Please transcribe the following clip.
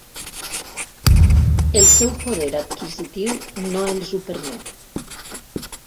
El seu poder adquisitiu no els ho permet.